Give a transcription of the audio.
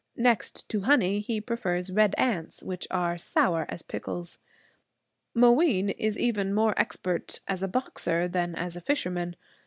Next to honey he prefers red ants, which are sour as pickles. Mooween is even more expert as a boxer than as a fisherman.